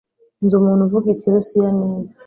Nzi umuntu uvuga Ikirusiya neza